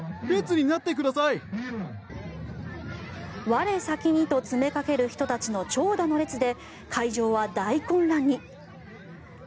我先にと詰めかける人たちの長蛇の列で会場は大混乱に。